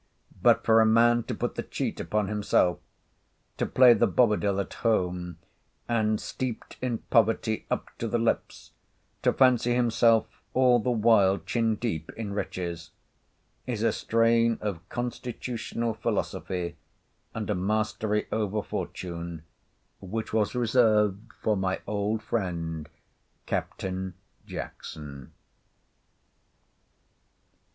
But for a man to put the cheat upon himself; to play the Bobadil at home; and, steeped in poverty up to the lips, to fancy himself all the while chin deep in riches, is a strain of constitutional philosophy, and a mastery over fortune, which was reserved for my old friend Captain Jackson.